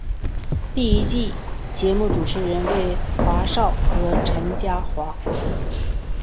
第一季节目主持人为华少和陈嘉桦。